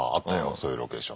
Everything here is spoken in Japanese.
そういうロケーション。